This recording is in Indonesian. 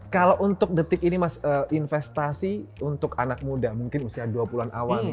kalau untuk detik ini mas investasi untuk anak muda mungkin usia dua puluh an awal